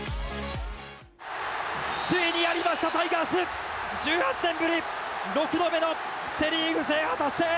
ついにやりましたタイガース１８年ぶり６度目のセ・リーグ制覇達成！